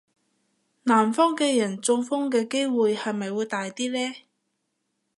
南方嘅人中風嘅機會係咪會大啲呢?